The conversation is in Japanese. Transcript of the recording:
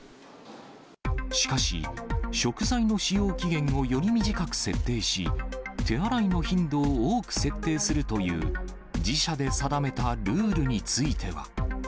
しかし、食材の使用期限をより短く設定し、手洗いの頻度を多く設定するという、自社で定めたルールについては。